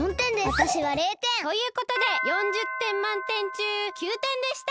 わたしは０てん！ということで４０てんまんてんちゅう９てんでした！